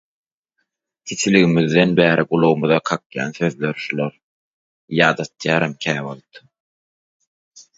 Kiçiligimizden bäri gulagymyza kakýan sözler şular, ýadatýaram käwagt.